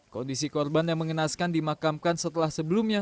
kondisi korban yang mengenaskan dimakamkan setelah sebelumnya